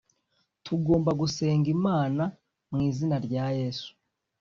tugomba gusenga imana mu izina rya yesu